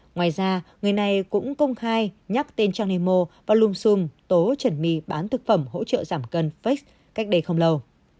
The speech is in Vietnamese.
ngoài ra người này cũng công khai nhắc tên trang nemo và lùm xùm tố trần my bán thực phẩm hỗ trợ giảm cân facebook cách đây không lâu